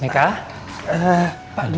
masa depan aku